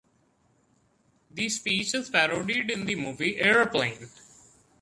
The speech is parodied in the movie Airplane!